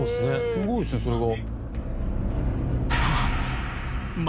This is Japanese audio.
すごいですねそれが。